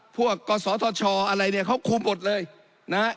พวกกษทชอะไรเนี่ยเขาคูมบทเลยนะฮะ